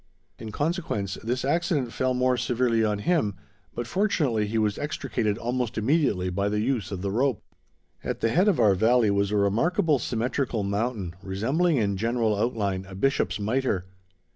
In consequence, this accident fell more severely on him, but fortunately, he was extricated almost immediately by the use of the rope. At the head of our valley was a remarkable, symmetrical mountain, resembling in general outline a bishop's mitre.